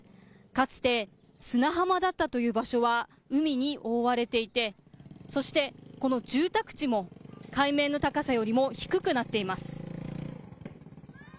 かつて砂浜だったという場所は、海に覆われていて、そしてこの住宅地も海面の高さよりも低くなっています。